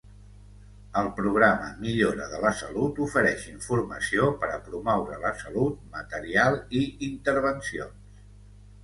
El programa Millora de la salut ofereix informació per a promoure la salut, material i intervencions.